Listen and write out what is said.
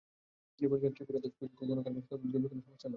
তিনি বলেছেন, ত্রিপুরাতে পোশাক কারখানা স্থাপনের জন্য জমি কোনো সমস্যা নয়।